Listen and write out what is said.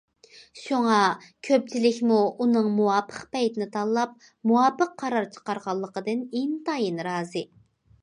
شۇڭا، كۆپچىلىكمۇ ئۇنىڭ مۇۋاپىق پەيتنى تاللاپ مۇۋاپىق قارار چىقارغانلىقىدىن ئىنتايىن رازى.